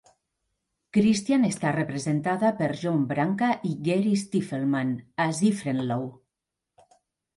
Kristian està representada per John Branca i Gary Stiffelman a ZiffrenLaw.